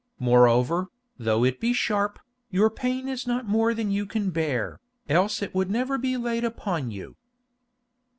Moreover, though it be sharp, your pain is not more than you can bear, else it would never be laid upon you."